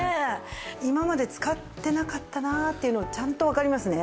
今まで使ってなかったなっていうのがちゃんとわかりますね。